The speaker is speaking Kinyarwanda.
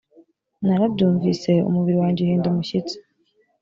narabyumvise umubiri wanjye uhinda umushyitsi